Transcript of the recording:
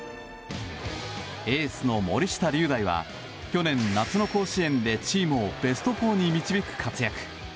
エースの森下瑠大は去年、夏の甲子園でチームをベスト４に導く活躍。